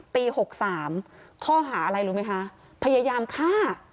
ปี๖๓ข้อหาอะไรรู้ไหมคะพยายามฆ่า